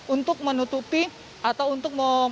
untuk menutupi atau untuk